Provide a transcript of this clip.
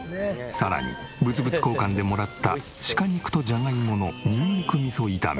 さらに物物交換でもらった鹿肉とジャガイモのニンニク味噌炒め。